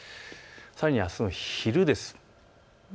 さらにあすの昼です。